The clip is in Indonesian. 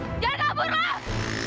woi jangan kabur mak